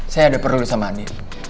saya ada perlu sama ani